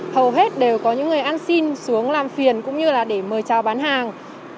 hầu hết đều có những người ăn xin xuống làm phiền cũng như là để mời chào bán hàng